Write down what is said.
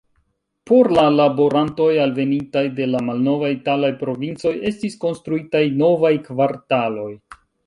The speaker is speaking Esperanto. Por la laborantoj alvenintaj de la malnovaj italaj provincoj estis konstruitaj novaj kvartaloj.